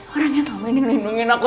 orang yang selama ini nindungin aku